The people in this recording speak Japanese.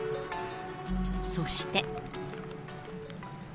そして。